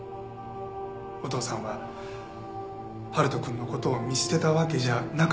お父さんは春人くんの事を見捨てたわけじゃなかったんです。